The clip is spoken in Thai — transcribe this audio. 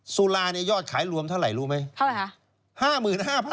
สุราเนี่ยยอดขายรวมเท่าไหร่รู้ไหมเท่าไหร่คะ